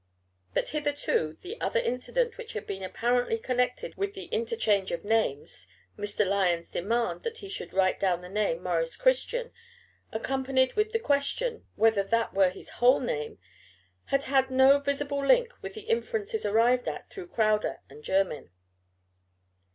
But hitherto the other incident which had been apparently connected with the interchange of names Mr. Lyon's demand that he should write down the name Maurice Christian, accompanied with the question whether that were his whole name had had no visible link with the inferences arrived at through Crowder and Jermyn.